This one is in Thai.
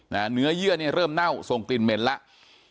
เนื้อเยื่อเนี่ยเริ่มเน่าส่งกลิ่นเหม็นแล้ว